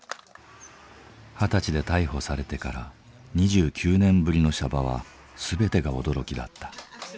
二十歳で逮捕されてから２９年ぶりの娑婆は全てが驚きだった。